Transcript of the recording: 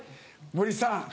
森さん